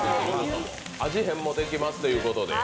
味変もできますということで。